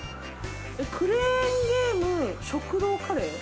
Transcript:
クレーンゲーム食堂カレー？